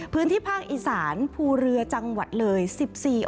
พื้นที่ภ้างอิสารภูเหลือจังหวัดเลย๑๔องศาเซลเซียส